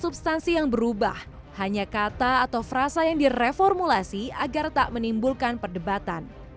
substansi yang berubah hanya kata atau frasa yang direformulasi agar tak menimbulkan perdebatan